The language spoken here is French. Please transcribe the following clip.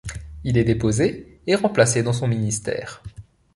Il est déposé et remplacé dans son ministère.